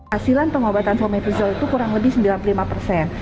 hasilan pengobatan fomepizol itu kurang lebih sembilan puluh lima persen